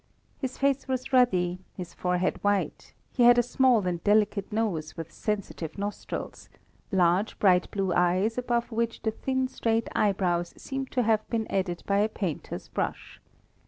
His face was ruddy, his forehead white, he had a small and delicate nose, with sensitive nostrils, large bright blue eyes, above which the thin straight eyebrows seemed to have been added by a painter's brush.